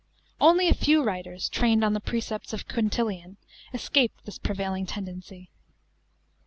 Only a few writers, trained on the precepts of Quintilian, escaped this prevailing tendency.